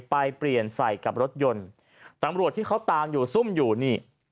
ไปเปลี่ยนใส่กับรถยนต์ตำรวจที่เขาตามอยู่ซุ่มอยู่นี่